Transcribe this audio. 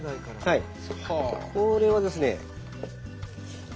これはですね